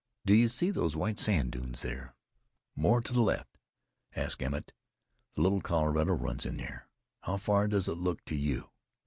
"Do you see those white sand dunes there, more to the left?" asked Emmett. "The Little Colorado runs in there. How far does it look to you?"